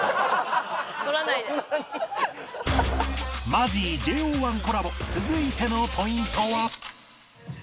マジー ＪＯ１ コラボ続いてのポイントは